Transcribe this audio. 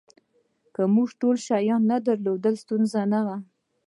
که موږ دا ټول شیان نه درلودل ستونزه نه وه